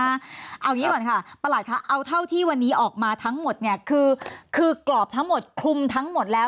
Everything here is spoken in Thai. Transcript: เอาอย่างนี้ก่อนค่ะประหลัดค่ะเอาเท่าที่วันนี้ออกมาทั้งหมดเนี่ยคือกรอบทั้งหมดคลุมทั้งหมดแล้ว